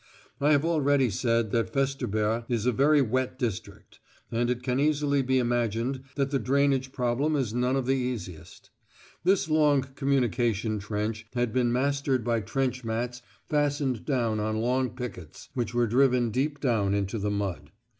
I have already said that Festubert is a very wet district, and it can easily be imagined that the drainage problem is none of the easiest. This long communication trench had been mastered by trench mats fastened down on long pickets which were driven deep down into the mud.